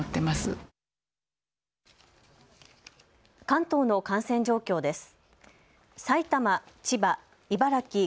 関東の感染状況です。